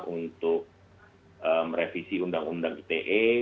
untuk merevisi undang undang ite